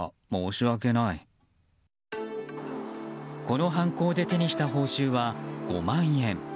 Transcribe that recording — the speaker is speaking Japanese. この犯行で手にした報酬は５万円。